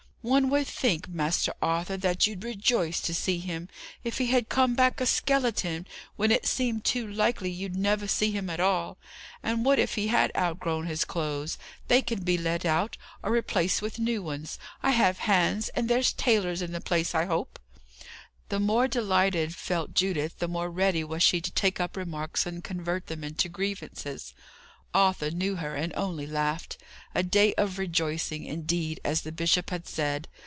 One would think, Master Arthur, that you'd rejoice to see him, if he had come back a skeleton, when it seemed too likely you'd never see him at all. And what if he have outgrown his clothes? They can be let out, or replaced with new ones. I have hands, and there's tailors in the place, I hope." The more delighted felt Judith, the more ready was she to take up remarks and convert them into grievances. Arthur knew her, and only laughed. A day of rejoicing, indeed, as the bishop had said.